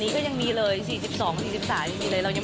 เคยไปเก็บไข่ด้วยไหม